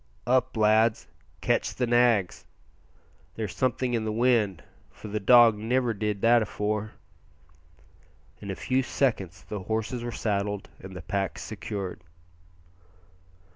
"Up, lads! catch the nags! There's something in the wind, for the dog niver did that afore." In a few seconds the horses were saddled and the packs secured.